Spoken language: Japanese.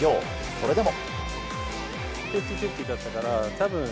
それでも。